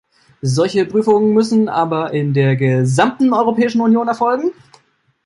Solche Prüfungen müssen aber in der gesamten Europäischen Union erfolgen.